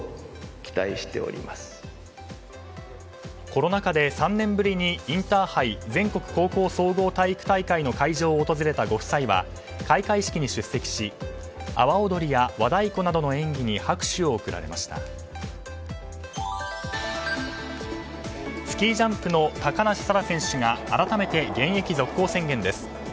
コロナ禍で３年ぶりにインターハイ全国高校総合体育大会の会場を訪れたご夫妻は開会式に出席し阿波踊りや、和太鼓などの演技にスキージャンプの高梨沙羅選手が改めて現役続行宣言です。